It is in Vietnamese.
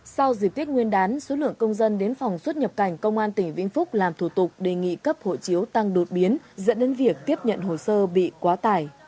sau dịp tết nguyên đán số lượng công dân đến phòng xuất nhập cảnh công an tỉnh vĩnh phúc làm thủ tục đề nghị cấp hộ chiếu tăng đột biến dẫn đến việc tiếp nhận hồ sơ bị quá tải